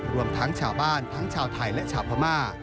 รวมทั้งชาวบ้านทั้งชาวไทยและชาวพม่า